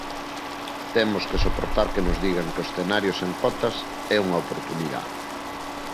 Temos que soportar que nos digan que o escenario sen cotas é unha oportunidade.